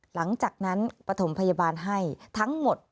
หลังจากนั้นปฐมพยาบาลให้ทั้งหมด